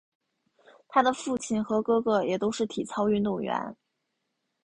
她的父亲和哥哥也都是体操运动员。